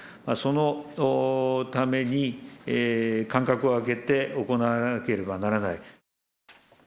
そのために間隔を空けて行わなければならない。